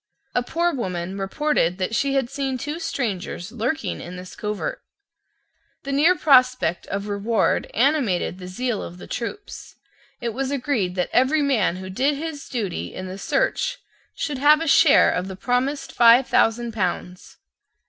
A poor woman reported that she had seen two strangers lurking in this covert. The near prospect of reward animated the zeal of the troops. It was agreed that every man who did his duty in the search should have a share of the promised five thousand pounds.